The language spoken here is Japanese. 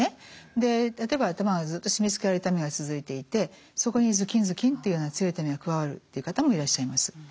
例えば頭がずっと締めつけられる痛みが続いていてそこにズキンズキンというような強い痛みが加わるという方もいらっしゃいます。